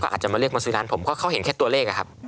ก็อาจจะมาเลือกคนซื้อร้านผมเค้าเห็นแค่ตัวเลขครับ